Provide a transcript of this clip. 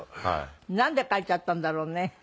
なんで帰っちゃったんだろうね。